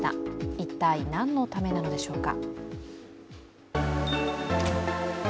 一体、何のためなのでしょうか。